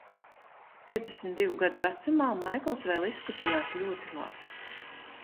Piecdesmit divu gadu vecumā Maikls vēl izskatījās ļoti labi.